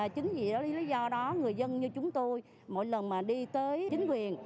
chính vì lý do đó người dân như chúng tôi mỗi lần mà đi tới chính quyền